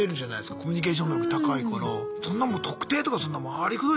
コミュニケーション能力高いからそんなもう「特定」とかそんな回りくどい